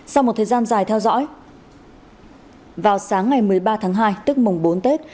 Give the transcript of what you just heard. sau một thời gian dài theo dõi vào sáng ngày một mươi ba tháng hai tức mùng bốn tết